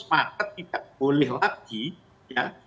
maka tidak boleh lagi ya